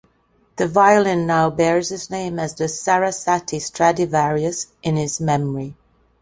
The violin now bears his name as the "Sarasate Stradivarius" in his memory.